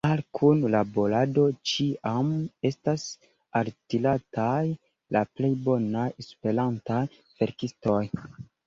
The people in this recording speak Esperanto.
Al kunlaborado ĉiam estas altirataj la plej bonaj esperantaj verkistoj.